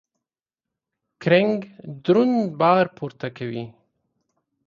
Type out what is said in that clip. کرینګ درون بار پورته کوي.